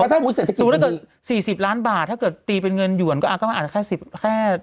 ถูกรักก็๔๐ล้านบาทถ้าตีเป็นเงินหย่วนก็อาจจะแค่๑๐บาท